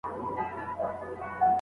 مالکي فقهاء د نشه کس په اړه څه وایي؟